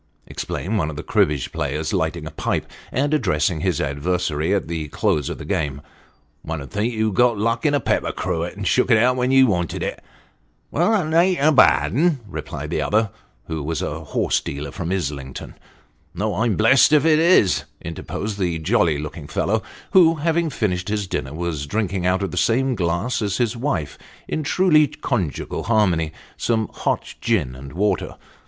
" exclaimed one of the cribbage players, lighting a pipe, and addressing his adversary at the close of the game ; "one 'ud think you'd got luck in a pepper cruet, and shook it out when you wanted it." " Well, that a'n't a bad 'un," replied the other, who was a horse dealer from Islington. " No ; I'm blessed if it is," interposed the jolly looking fellow, who, having finished his dinner, was drinking out of the same glass as his wife, in truly conjugal harmony, some hot gin and water.